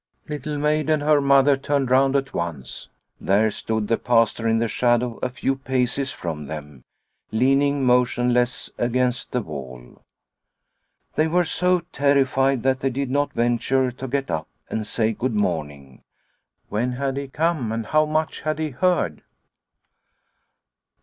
Little Maid and her mother turned round at once. There stood the Pastor in the shadow a few paces from them, leaning motionless against the wall. They were so terrified that they did not venture to get up and say good morning. When had he come and how much had he heard